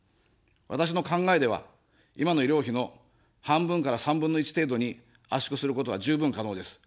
私の考えでは、今の医療費の半分から３分の１程度に圧縮することは十分可能です。